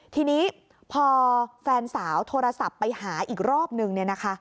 ทีนี้พอแฟนสาวโทรศัพท์ไปหาอีกรอบหนึ่ง